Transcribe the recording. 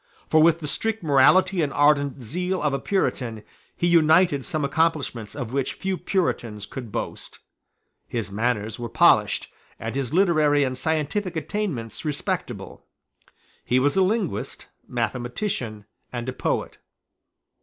For with the strict morality and ardent zeal of a Puritan he united some accomplishments of which few Puritans could boast. His manners were polished, and his literary and scientific attainments respectable. He was a linguist, mathematician, and a poet.